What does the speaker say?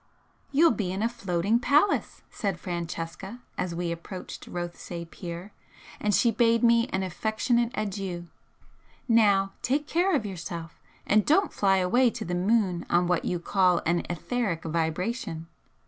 "You'll be in a floating palace," said Francesca, as we approached Rothesay pier, and she bade me an affectionate adieu "Now take care of yourself, and don't fly away to the moon on what you call an etheric vibration!